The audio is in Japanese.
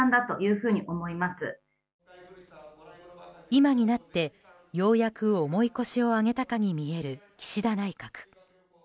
今になって、ようやく重い腰を上げたかに見える岸田内閣。